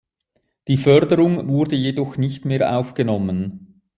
Die Förderung wurde jedoch nicht mehr aufgenommen.